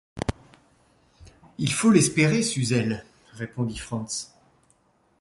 Il faut l’espérer, Suzel, » répondit Frantz.